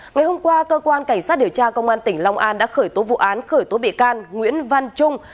ngày hôm qua cơ quan cảnh sát điều tra công an tỉnh long an đã khởi tố vụ án khởi tố bị can nguyễn văn trung